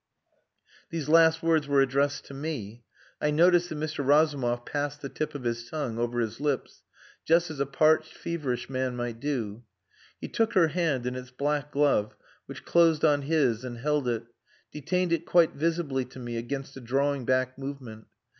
These last words were addressed to me. I noticed that Mr. Razumov passed the tip of his tongue over his lips just as a parched, feverish man might do. He took her hand in its black glove, which closed on his, and held it detained it quite visibly to me against a drawing back movement.